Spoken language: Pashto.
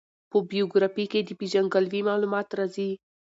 په بېوګرافي کښي د پېژندګلوي معلومات راځي.